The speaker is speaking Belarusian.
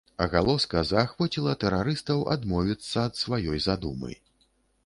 Агалоска заахвоціла тэрарыстаў адмовіцца ад сваёй задумы.